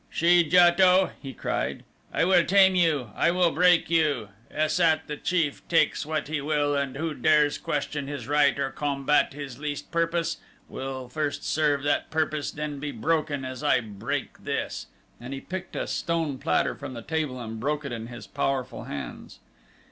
"She JATO!" he cried. "I will tame you! I will break you! Es sat, the chief, takes what he will and who dares question his right, or combat his least purpose, will first serve that purpose and then be broken as I break this," and he picked a stone platter from the table and broke it in his powerful hands.